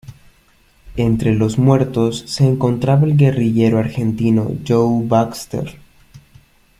Entre los muertos se encontraba el guerrillero argentino Joe Baxter.